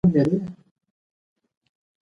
د کورنۍ کلتور د ښو ورځو د پیښو لپاره هڅه کوي.